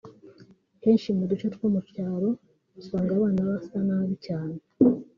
Henshi mu duce two mu byaro usanga abana basa nabi cyane